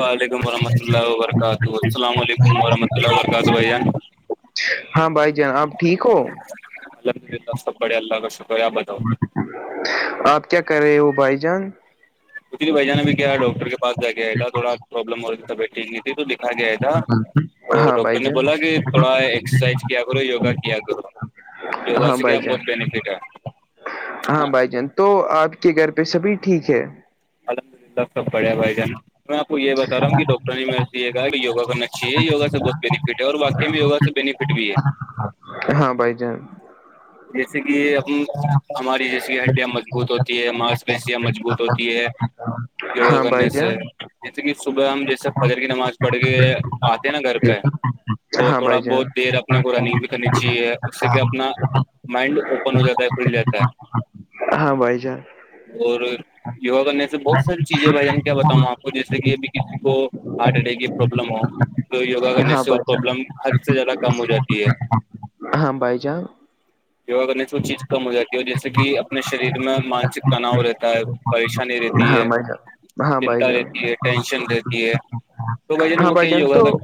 وعلیکم ورحمۃ اللہ وبرکاتہ السلام علیکم ورحمۃ اللہ وبرکاتہ بھیا ہاں بھائی جان آپ ٹھیک ہو سب بڑھیا اللہ کا شکر ہے آپ کیا کر رہے ہو بھائی جان اسچے بھائی جان نے بھی کیا ہے ڈاکٹر کے پاس جا گیا تھا تھوڑا پربلم ہو رہیھی تبیت ٹیک نہیں تھی تو دکھایا تھا تو ہاں بھائی ڈاکٹر نے جان بولا کہ تھوڑا ایکسرسائز کیا کرو وگا کیا کرو یوا ہاں سے کیا بھائی بہت جان بینیفٹ ہے ہاں بھائی جان تو آپ کے گھر پہ سبھی ٹھیک ہے الحمد للہ سب بڑھیا بھائی جان تو میں آپ کو یہ بتا رہا ہوں کہ ڈاکٹر نہیں کہ یوگا کرنا اچاہیے یوگا سے بہت بینیفٹ ہے اور واقی میں یوگا سے بینیفٹ بھی ہے ہاں بھائی جان ہاں جیسے کہ ہماری جیسے کہ ہڈیاں مضبوط ہوتی ہے ماس پیشیاں مضبوط ہوتی ہے یوگا ہاں کرنے بھائی سے جان جیسے کہ صبح ہم جیسے فجر کی نماز پڑ کے آتے ہیں نا گھر پہ تو ہاں تھوڑا بھائی جان بہت دیر اپنے کو رننگ بھی کرنی چاہیے اس سے کیا اپنا مائنڈ اوپن ہو جاتا ہے کھل جاتا ہے ہاں بھائی جان اور یوگا کرنے سے بہت ساری چیزیں بھائی جان کیا بتاؤں آپ جیسے کہ ابھی کسی کو ہارٹ اٹیک کی پرابلم ہو تو یگا کرنے ہاں سے بھائی وہ جان پرابلم ہر س سے ج ہاں بائی جا یوگا کرنے سے وہ چیز کم ہو جاتی ہے جیسے کہ اپنے شریر میں مانسک تناؤ رہتا ہے پریشانی رہتی ہاں ہے بھائی جان ہاں بھائی چنتا جان رہتی ہے ٹینشن رہتی ہے تو بجے ن ہاں وہ کہ بھائی جان ہوگا تو کر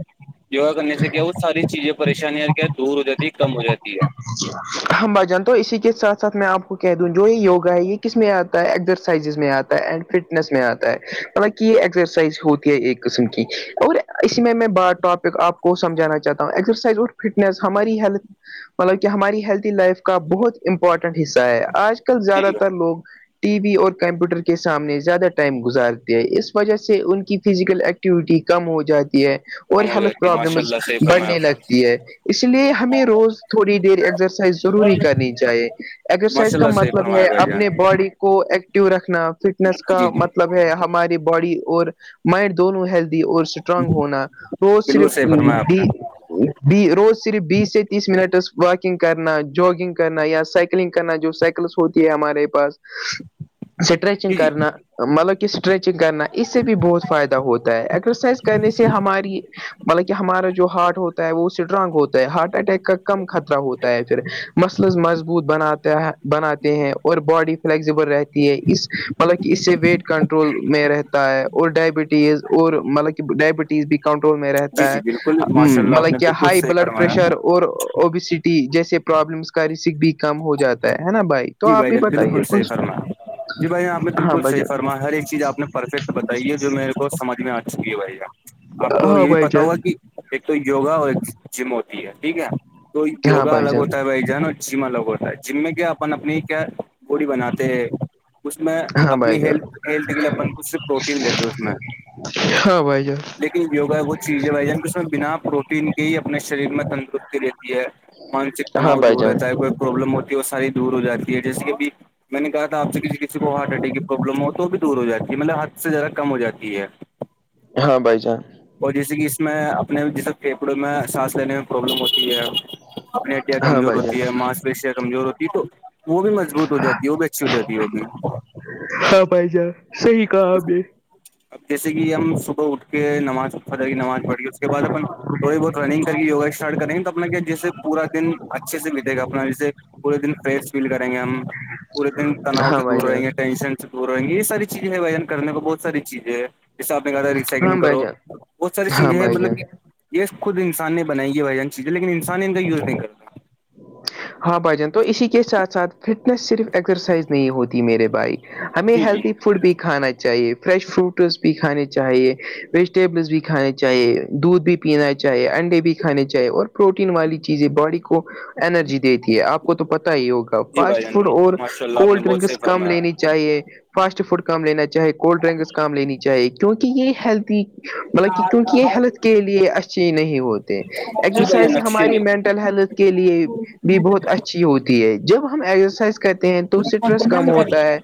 یوگا کرنے سے کیا وہ ساری چیزیں پریشانیاں کیا دور ہو جاتی ہے کم ہو جاتی ہے اچھا ہم با جان تو اسی کے ساتھ ساتھ میں آپ کو کہہ دوں جو یہ یوگا ہے یہ کس میں آتا ہے ایزرسائزز میں آتا اینڈ فٹنیس میں آتا ہے مطلب کہ یہ ایکسرسائز ہوتی ہے ایک قسم کی اور اسی میں میں بار ٹاپک آپ کو سمجھانا چاہتا ہوں ایکسرسائز اور فٹنیس ہماری ہیلتھ مطلب کہ ہماری ہیلدی لائف کا بہت امپورٹنٹ حصہ ہے آج کل زیادہ جی جی تر بھائی لوگ ٹی وی اور کمپیوٹر کے سامنے زیادہ ٹائم گزارتے ہے اس وجہ سے ان کی فزیکل ایک ٹی کم ہو جاتی ہے اور کم ہو ہیلتھ جاتی ہے ماشاء پرابلمز اللہ صحیح فرمایا بڑھنے آپ نے لگتی ہے اس لیے ہمیں روز تھوڑی دیر ایکسرسائز وری کرنی چاہیے ایکسرسائز ماشاء کا اللہ صحیح مطلب فرمایا ہے بھائی جان اپنے باڈی کو ایکٹو رکھنا فٹنس جی کا جی مطلب ہے ہماری باڈی اور مائنڈ دونوں ہیل اور اسٹرانگ ہونا وہ بالکل صرف صحیح فرمایا آپ نے بھی روز صرف بیس سے تیس منٹس واکنگ کرنا جگنگ کرنا یا سائکلنگ کرنا جو سائیکلس ہوتی ہے ہمارے پاس اسٹریچنگ جی جی کرنا مطلب کہ اسٹریچنگ کرنا اس سے بھی بہت فائدہ ہوتا ہے ایکسرسائز کرنے سے ہماری مطلب کہ ہمارا جو ہارٹ ہوتا وہ اسٹرانگ ہوتا ہے ہارٹ اٹیک کا کم خطرہ ہوتا ہے پھر مسلز مضبوط بناتے ہے بناتے ہیں اور باڈی فلیکزیبل رہتی ہے اس مطلب کہ اس سے ویٹ کنٹرول میں رہتا ہے اور ڈائبٹیز اور مطلب کہ ڈائبٹیز بھی کنٹرول میں جی رہتا جی ہے بالکل ماشاء اللہ آپ نے مطلب کیا بالکل ہائی صحیح بلڈ فرمایا پریشر اور اوبیسٹی جیسے پرابلمس کا رسک بھی کم ہو جاتا ہے نا بھائی تو جی آپ بھائی بھی جان بالکل بتائیے صحی کچھ فرما جی بھائی یہ آپ نے ہاں بالکل صح بھجن فرما ہر ایک چیز آپ نے پرفیکٹ بتائی ہے جو میرے تو سمجھ میں آ چکے رہئےے گا آپ کو ہاں یہ بھی بھائی پتا جان ہوا کہ ایک تو یوگا جم ہوتی ہے ٹھیک ہے تو ہاں یوگا بھائی الگ جان ہوتا ہے بھائی جانو جم الگ ہوتا ہے جم میں کیا اپن اپنی کیا بوڈی بناتے ہیں اس میں ہاں اپنی بھائی ہی جان ہیتھ کے لیے کچھ سے پروٹین لیتے ہیں اس میں ہاں بھائی جان لیکن وگا ہے وہ چیز ہے اس میں بنا پروٹین کی ہی اپنے شریر میں تندرستی رہتی ہے مانسک ہاں تناؤ بھائی دور جان رہتا ہے کوئی پروابلم ہوتی ہے وہ ساری دور ہو جاتی ہے جیسے کہب میں نے کہا تھا آپ سے کسی کسی کو ہارٹ اٹیک کی پرابلم ہو تو وہ بھی دور ہو جاتی ہے مطلب حد سے زیادہ کم ہو جاتی ہے ہاں بھائی جان اور جیسے کہ اس میں اپنے جیسے پھیپڑوں میں سانس لینے میں پرابلم ہوتی ہے اپنے ہاں کمزور بھائی جان ہوتی ہے ماںس پیشیا کمزور ہوتی ہے تو وہ بھی مضبوط ہو جاتی ہے وہ بھی اچھی ہو جاتی ہے وہ بھی ہاں پائ جا صی کہ ابھی اب جیسے کہ ہم صبح اٹھ کے نماز اٹھا جائے گی نماز پڑھ گی اس کے بعد اپ تھوڑی بہت رنگ کر کے وگا اسٹارٹ کریں گے تو اپنا کیا جسے پورا دن اچھے سے بیتے گا اپنا جیے پورے دن فریش فیل کریں گے ہم پورے دن تناؤ سے ہاں بھائی دور رہیں جان گے ٹینشن دور ہیں گے یہ ساری چیزیں ہے ون کرنے کو بہت ساری چیزیں ہے جیسے آپ نے کہا ہاں ریسائکلنگ بھائی کرو جان بہت ساری ہاں چیزیں ہیں بھائی جان مطلب کہ یہ خود انسان نے بنائی ہے بھائی جان چیزیں لیکن انسان نے ان کا یوز نہیں کرا ہاں بھائی جان تو اسی کے ساتھ ساتھ فٹنس صرف ایکسرسائز نہیں ہوتی میرے بھائیک ہمیں ہیلدی فوڈ بھی کھانا چاہیے فریش فروٹس بھی کھانے چاہیے ویجیٹیبلس بھی کھانے چاہیے دودھ بھی پینا چاہے انڈے بھی کھانے چاہیے اور پروٹین والی چیزیں باڈی کو انرجی دیتی ہے آپ کو تو پتا ہی ہوگا جی بھائی فاسٹ جان فوڈ اور ماشاء اللہ آپ نے کولڈ بہت ڈرنکس صحیح کم لینےی فرمایا چاہیے فاسٹ فوڈ کام لینا چاہے کولڈ ڈرنکس کام لینی چاہیے کیونکہ یہ ہیلدی مطلب کہ کیونکہ یہ ہیلتھ کے لیے اچھی نہیں ہوتے جی بھائی جان ایکسرسائز اچھی ہماری مینٹ نہیں ہیلتھ کے لیے بھی بہت اچھی ہوتی ہے جب ہم ایکسرسائز کہتے ہیں تو سٹرس کم ہوتا ہے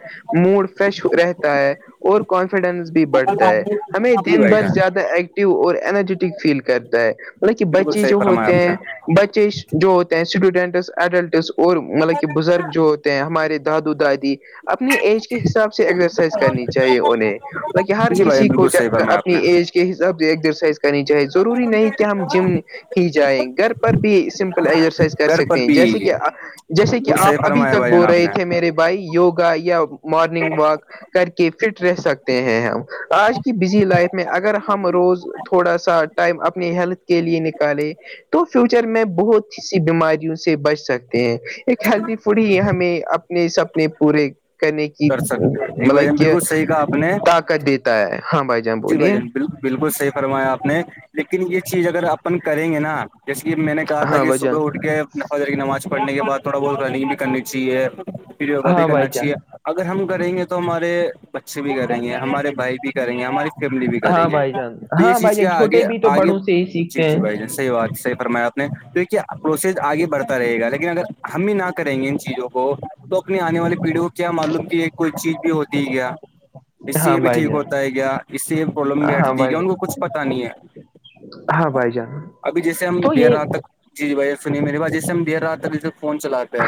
موڈ فریش رہتا ہے اور کانفیڈنس بھی بڑھتا ہے ہمیں جی دن بھائی بھر جان زیادہ ایک اور انرجیٹک فیل کرتا ہے مطلب کہ بالکل بچے صحیح جو فرمایا ہوتے آپ ہیں نے بچے جو ہوتے ہیں اسٹوڈینٹس ایڈلٹس اور مطلب کہ بزرگ جو ہوتے ہیں ہمارے دا دا دادی اپنی ایج کے حساب سے ایکسرسائز کرنی چاہیے انہیں بلکہ ہر جی بھائی کسی کو بالکل صحیح فرمایا آپ اپنی نے ایج کے حساب سے ایکسرسائز کرنی چاہے ضروری نہیں کہ ہم جم ہی جائیں گھر پر بھی سمپل ایرس کر گھر پر سکتے ہیں جیسے بھی کہ جیسے کہ بالکل صحیح آپ ابھی فرمایا تک بھائی جان بول آپ رہے نے تھے میرے بائی یوگا یا مارننگ واک کر کے فٹ رہ سکتے ہیں ہم آج کی بزی لائف میں اگر ہم روز تھوڑا سا ٹائم اپنی ہیلتھ کے لیے نکالے تو فیوچر میں بہت بیماریوں سے بچ سکتے ہیں ایک ہیلدی فوڈ ہی ہمیں اپنے س اپنے پورے کرنے کی کر سکتے جی بھائی مطلب کہ بالکل صحیح کہا آپ نے طاقت دیتا ہے ہاں بھائی جان جی بولیے بھجان بالکل صحی فرمایا آپ نے لیکن یہ چیز اگر اپن کریں گے نا جیسے کہ میں نے کہا تھا ہاں کہ بھائی جان صبح اٹھ کے ن فذر کی نماز پڑھنے کے بعد تھوڑا بہت رننگ بھی کرنی چاہیے یوگا بھی ہاں بھائی کرنا جان چاہیے اگر ہم کریں گے تو ہمارے بچے بھی کریں گے ہمارے بھائی بھی کریں گے ہماری فیملی بھی کرے ہاں گی بھائی جان تو یہ ہاں چیز بھائی جان کیا آگے چھوٹے بھی تو آگے بڑوں سے ہی جی سیکھتے جی بھائی جان ہیں صحی بات صحی فرمایا آپ نے تو کیا پروسیس آگے بڑھتا رہے گا لیکن اگر ہم بھی نہ کریں گے ان چیزوں کو تو اپنی آنے والی پیڑھی کو کیا معلوم کہ یہ کوئی چیز بھی ہوتی ہے کیا اس سے ہاں یہ بھی بھائی ٹھیک جان ہوتا ہے کیا اس سے یہ پرابلم بھی ہاں ہٹھتی ہے بھائی کیا ان کو جان کچھ پتا نہیں ہاں ہے بھائی جان ابھی جیسے ہم تو دیر یہ رات تک جی بھیا سنی میری بات جس سے ہم دیر رہا تبھی سے فون چلاات کے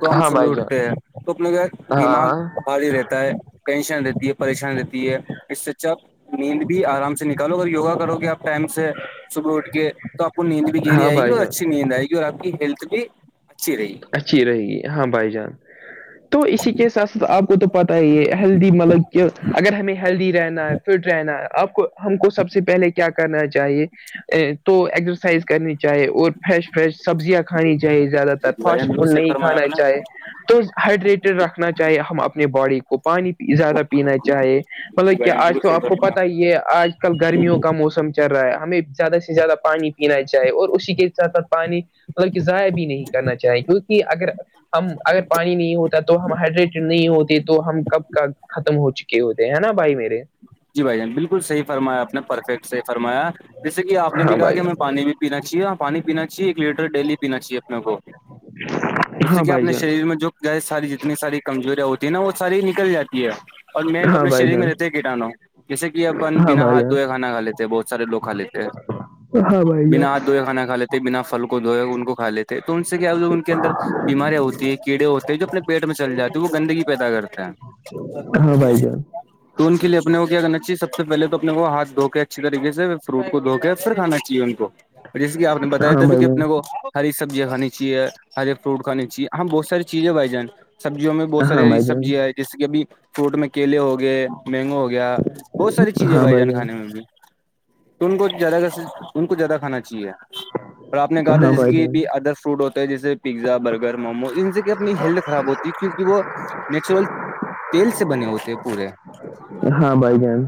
تو ہم ہاں صبح بھائی اٹھتے جان ہیں تو اپنے کا ہاں دماغ ہاں ب ہی رہتا ہے ٹینشن رہتی ہے پریشانی رہتی ہے اس سے جب نیند بھی آرام سے نکالو اگر یوگا کرو گے آپ ٹائم سے صبح اٹھ کے تو آپ آ کو نیند بھی گھیری ہاں آئے گی بھائی اور جان اچھی نیند آئے گی اور آ کی ہیلتھ بھی اچھی رہےی اچھی رہے گی ہاں بھائی جان تو اسی کے ساتھ ساتھ آپ کو تو پتہ یہ ہیلدی مطلب کہ اگر ہمیں ہیلدی رہنا ہے فٹ رہنا ہے آپ کو ہم کو سب سے پہلے کیا کرنا چاہیے تو ایکسرسائز کرنی چاہے اور فریش فریش سبزیاں کھانی چاہیے زیادہ تر جی بھائی فاسٹ بالکل فوڈ صحیح نہیں فرمایا کھانا آپ نے چاہے تو ہائڈریٹڈ رکھنا چاہیے ہم اپنے باڈی کو پانی زیادہ پینا چاہیے جی مطلب کہ بھائی آج بالکل تو صحیح آپ کو فرمایا پتا ہی یہ آج کل گرمیوں کا موسم چل رہا ہے ہمیں زیادہ سے زیادہ پانی پینا چاہیے اور اسی کے ساتھ ساتھ پانی مطلب کہ ضائع بھی نہیں کرنا چاہیں کیونکہ اگر ہم اگر پانی نہیں ہوتا تو ہم ہائڈریٹڈ نہیں ہوتے تو ہم کب کا ختم ہو چکے ہوتے ہیں ہے نا بھائی میرے جی بھائی جان بالکل صح فرمایا آپ پرفیکٹ صحی فرمایا جیسے کہ آپ نے بھی ہاں کہا بھائی کہ جان میں پانی بھی پینا چاہیے اور پانی پینا چاہیے ایک لیٹر ڈیلی پینا چاہیے اپنے کو اس سے ہاں کیا بھائی اپنے جان شریر میں جو ساری جتنی ساری کمزوریاں ہوتی ہیں نا وہ ساری نکل جاتی یہ اور مین تو ہاں اپنے بھائی شریر میں جان رہتے ہے کیٹاانو [inaudible] جیسے کہ اپن ہاں بنا بھائی ہاتھ جان دھوئے کھا کھا لیتے ہیں بہت سارے لو کھا لیتے ہیں ہاں بنا ہاتھ دوئے کھانا کھاتے بنا پھل کو دھوئے ان کو کھا لیتے تو ان سے کیا ہو ان کے اندر بیماریاں ہوتی ہے کیڑے ہوتے ہیں جو اپنے پیٹ میں چل جاتی ہے وہ گندگی پیدا کرتا ہے ہمربہتری بھائی جان [inaudible] تو ان کے لیے اپنے کو کیا کرنا چاہیے سب سےہلے تو اپنے کو ہاتھ دھوک اچھی طریقے سے فروٹ کو دھو کے پھر کانا چاہیے ان کو جیسے کہ آپ نے بتایا ہاں تھا بھی بھائی کہ جان اپنے کو ہری سبزیاں کھانی چاہے ہری فروٹ کھانی چاہے ہم بہت ساری چیزیں بائ جان سبزیوں میں بہت ساری سبزیاں ہیں جیسے کہ ابھی فروٹ میں کیلے ہوگئے مینگو ہو گیا بہت ساری چیزیں بھائی جان کھانے میں بھی تو ان کو زیادہ ان کو زیادہ کھانا چاہیے اور آپ نے کہا تھا ہاں جسے بھائی جان کہ ادر فروڈ ہوتے ہیں جیسے پیزا برگر مومو انن سے کہ اپنی ہیلتھ خراب ہوتی جی کیونکہ وہ نیچرل تیل سے بنے ہوتے ہیں پورے ہاں بھائی جان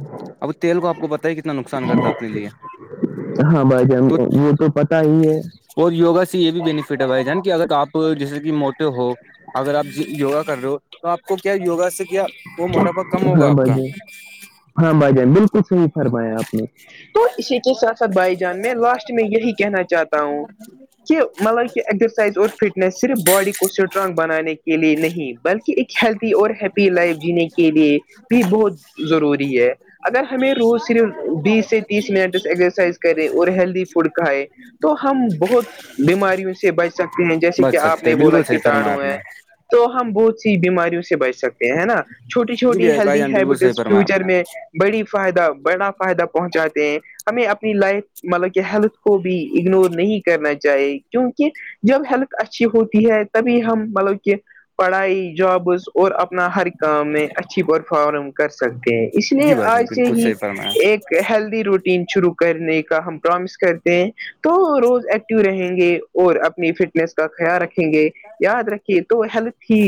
اب تیل کو آ کوتا [inaudible] ہاں بھائی جان تو یہ تو پتا ہی ہے [inaudible] اور یوا سے یہ بھی بینیفٹ ہے بھائی جان کہ اگر آپ جیسے کہ موٹے ہو اگر آپ یوگا کر رہے ہو تو آپ کو کیا یوگا سے کیا وہ موٹاپا کم ہوگا ہاں آپ بھائی کا جان ہاں بھائی جان بالکل صح فرمایا آپ نے تو اسی کے س سات بھائی جان میں لاسٹ میں یہی کہنا چاہتا ہوں ج [inaudible] مطلب کہ ایگزرسائز اور فٹنیس صرف باڈی کو اسٹرانگ بنانے کے لیے نہیں بلکہ ایک ہیلدی اور ہیپی لائف جینے کے لیے بھی بہت ضروری ہے اگر ہمیں روز صرف بیس سے تیس منٹ ایکزرسائز کرے اور ہیلدی فوڈ کھائے تو ہم بہت بیماریوں سے بچ سکتے ہیں جیسے کہ بچ آپ سکتے نے ہیں بولا بالکل صحیح فرمایا کیٹاڑو آپ ہے نے تو ہم بہت سی بیماریوں سے بچ سکتے ہیں ہے نا چھوٹی جی چھوٹی بھائی بھائی ہیلدی جان بالکل صحیح ہیبٹس فرمایا آپ فیوچر نے میں بڑی فائدہ بڑا فائدہ پہنچاتے ہیں ہمیں اپنی لائف مطلب کہ ہیلتھ کو بھی اگنور نہیں کرنا چاہیے کیونکہ جب ہیلتھ اچھی ہوتی ہے تبھی ہم مطلب کہ پڑھائی جابس اور اپنا ہر کام میں اچھی پرفارم کر سکتے ہیں اس لیے جی بھائی آج جان سے بالکل ہی صحیح فرمایا ایک ہیلدی روٹین شروع کرنے کا ہم پرومس کرتے ہیں تو روز ایکٹیو رہیں گے اور اپنی فٹنیس کا خیال رکھیں گے یاد رکھیے تو ہیلتھ ہی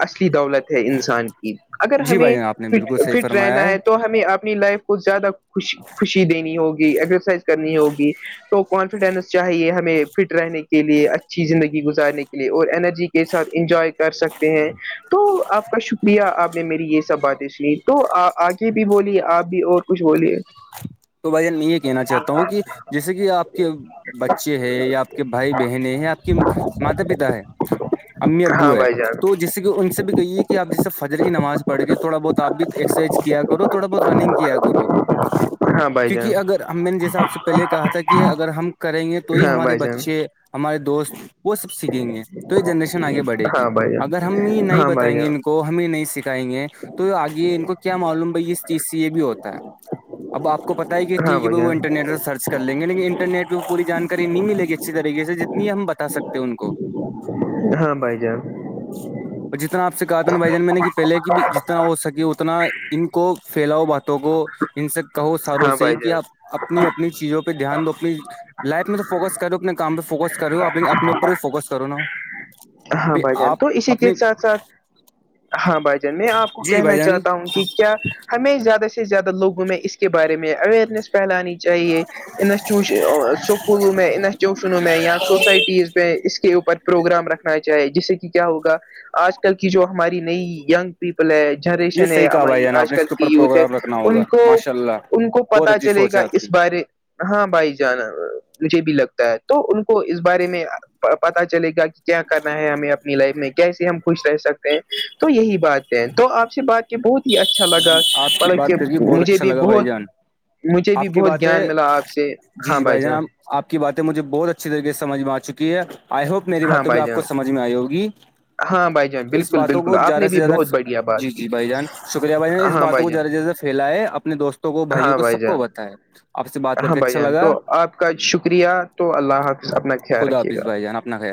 اصلی دولت ہے انسان کی اگر جی ہمیں بھائی جان آپ نے فٹ بالکل صحیح فٹ فرمایا رہنا ہے تو ہمیں اپنی لائف کو زیادہ خوش خوشی دینی ہوگی ایکسرسائز کرنی ہوگی تو کانفیڈینس چاہیے ہمیں فٹ رہنے کے لیے اچھی زندگی گزارنے کے لیے اور انرجی کے ساتھ انجوائے کر سکتے ہیں تو آپ کا شکریہ آپ نے میری یہ سب باتیں سنی تو آگے بھی بولیے آپ بھی اور کچھ بولیے تو بھائیان میں یہ کہنا چاہتا ہوں کہ جیسے کہ آپ کے بچے ہے یا آپ کے بھائی بہن ہے یا آپ کی ماتا پتا ہے امی ابو ہاں ہے بھائی جان تو جسے کہ ان سے بھی کہیے کہ آپ جسے فجر کی نماز پڑھ کےے تھوڑا بہت آپ بھی ایکسرسائز کیا کرو تھوا بہت رنگ کیا گو ہاں بھائی جان کیونکہ اگر میں نے جساب سے پہلے کہا تھا کہ اگر ہم کریں گے تو ہی ہاں ہمارے بھائی جان بچے ہمارے دوست وہ سب سیکھیں گے تو یہ جنریشن آگے بڑھے گی ہاں بھائی جان اگر ہم یہ نہیں ہاں بھائی بتائیں گے جان کو ہمیں نہیں سکھائیں گے تو آگے ان کو کیا معلوم بھائی اس چیز سے یہ بھی ہوتا ہے اب آپ پتا ہے کہ ہاں ٹھیک ہے بھائی بائی وہ جان انٹرنیٹ پر سرچ کر لیں گ لیکن انٹرٹ پہ وہ پوری جاناری نہیں ملے گی اچھی طریے سے جتنے نہیں ہم بتا سکتے ان کو ہاں بائی جان اور جتنا آپ سے کہا تھا نا بھائی جان میں نے کہ پہلے کی بھی ہو سکے اتنا ان کو پھیلاؤ باتوں کو ان وں ہاں سے ہی بھائی کیا جان آپ اپنی اپنی چیزوں پہ دھیان دو اپنی لائف میں تو فوکس کرو اپنے کام پہ فوکس کرو اپنے اوپر بھی فوکس کرو نا ہاں بھائی جان آپ تو اسی کے اپنی ساتھ ساتھ ہاں بھائی جان میں آپ کو جی بھائی کہنا جان چاہتا ہوں کہ کیا ہمیں زیادہ سے زیادہ لوگوں میں اس کے بارے میں اویئرنیس پھیلانی چاہیے انسوش سکولوں میں انسٹیٹیوشنوں میں یا سوسائٹیز میں اس کے اوپر پروگرام رکھنا چاہیے جیسے کہ کیا ہوگا آج کل کی جو ہماری نئی ینگ پیپل ہے جنریشن ہے ہماری آج کل کی یوتھ ہے نا ہوگا ان کو ماشاءاللہ ان کو پتا چلے گا اس بارے ہاں بھائی جانا مجھے بھی لگتا ہے تو ان کو اس بارے میں پتا چلے گا کہ کیا کرنا ہے ہمیں لائف میں کیسے ہم خوش رہ سکتے ہیں تو یہی بات ہے تو آپ سے بات بہت ہی اچھا لگا آپ کی مطلب بات کہ کر کے بہت مجھے اچھا بھی لگا بھائی بہت جان مجھے بھی آپ کی بہت باتیں گیان ملا آپ سے ہاں بھائی جان آپ کی باتیں مجھے بہت اچھی طریق سے سمجھ میں آ چکی ہے آئی ہوپ میری ہاں باتوں بھی بھائی آپ جان کو سمجھ میں آئی ہوگی ہاں بھائی جان تو اس بالکل باتوں بالکل کو آپ زیادہ نے سے بھی زیادہ بہت بڑھیا بات جی کی جی بھائی جان بھائی نے اس ہاں بات بھائی کو جان زرا جد سے پھیلا ہے اپنے دوستوں کو بھائیوں ہاں کو بھائی سب کو جان بتائے آپ سے بات کر ہاں کے بھائی اچھا جان تو لگا آپ کا شکریہ تو اللہ کا اپنا خیال رکھیے گا نا ہے